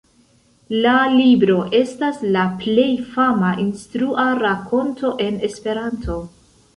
La libro estas la plej fama instrua rakonto en Esperanto.